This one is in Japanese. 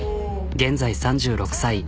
現在３６歳。